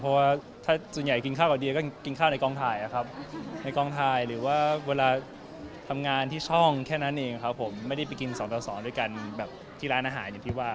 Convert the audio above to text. เพราะว่าถ้าส่วนใหญ่กินข้าวกับเดียก็กินข้าวในกองถ่ายนะครับในกองถ่ายหรือว่าเวลาทำงานที่ช่องแค่นั้นเองครับผมไม่ได้ไปกินสองต่อสองด้วยกันแบบที่ร้านอาหารอย่างที่ว่า